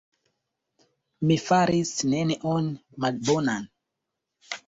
Mi faris nenion malbonan.